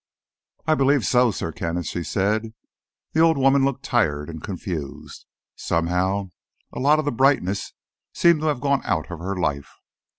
"I believe so, Sir Kenneth," she said. The old woman looked tired and confused. Somehow, a lot of the brightness seemed to have gone out of her life.